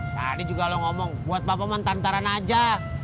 tadi juga lo ngomong buat papa mentantaran aja